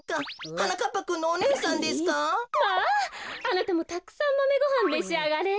あなたもたくさんマメごはんめしあがれ。